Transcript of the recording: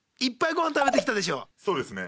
そうですね。